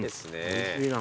おいしいな。